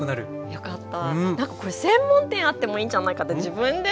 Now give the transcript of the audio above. よかった。